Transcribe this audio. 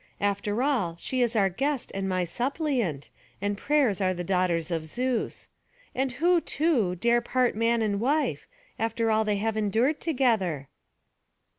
After all, she is our guest and my suppliant, and prayers are the daughters of Zeus. And who, too, dare part man and wife, after all they have endured together?"